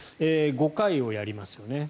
５回をやりますよね。